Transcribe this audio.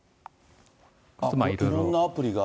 いろいろ。